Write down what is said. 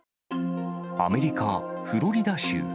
アメリカ・フロリダ州。